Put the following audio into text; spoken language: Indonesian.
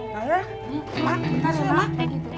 mak bentar ya mak